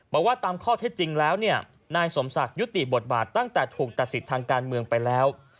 บอกว่าตามข้อเท็จจริงแล้วเนี่ยนายสมศักดิ์ยุติบทบาทตั้งแต่ถูกตัดสิทธิ์ทางการเมืองไปแล้ว